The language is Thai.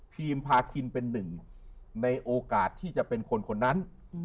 พาคินเป็นหนึ่งในโอกาสที่จะเป็นคนคนนั้น